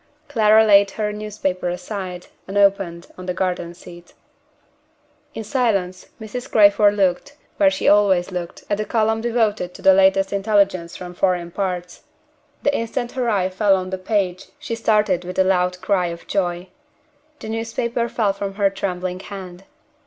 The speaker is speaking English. Clara laid her newspaper aside, unopened, on the garden seat. In silence, Mrs. Crayford looked, where she always looked, at the column devoted to the Latest Intelligence from foreign parts. The instant her eye fell on the page she started with a loud cry of joy. The newspaper fell from her trembling hand.